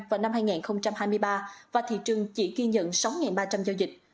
vào năm hai nghìn hai mươi ba và thị trường chỉ ghi nhận sáu ba trăm linh giao dịch